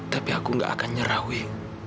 tapi aku gak akan nyerah wi